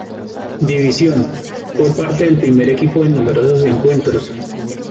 División, fue parte del primer equipo en numerosos encuentros.